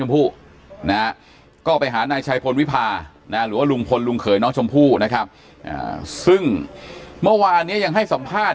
หรือว่ารุงพลลุงเปรย์น้องชมพู่นะครับซึ่งมาวานนี้ยังให้สัมภาษณ์